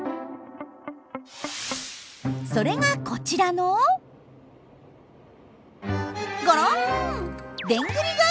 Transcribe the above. それがこちらのゴロン！